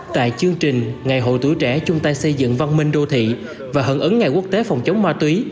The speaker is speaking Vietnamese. tại chương trình ngày hội tuổi trẻ chung tay xây dựng văn minh đô thị và hận ứng ngày quốc tế phòng chống ma túy